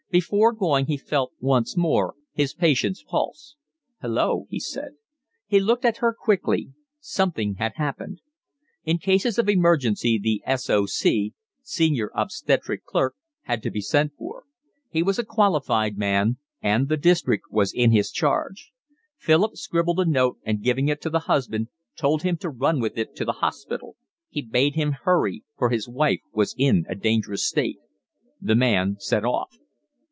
Before going he felt once more his patient's pulse. "Hulloa!" he said. He looked at her quickly: something had happened. In cases of emergency the S. O. C.—senior obstetric clerk—had to be sent for; he was a qualified man, and the 'district' was in his charge. Philip scribbled a note, and giving it to the husband, told him to run with it to the hospital; he bade him hurry, for his wife was in a dangerous state. The man set off.